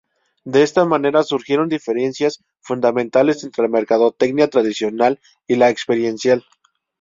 De esta manera, surgieron diferencias fundamentales entre la mercadotecnia tradicional y la experiencial.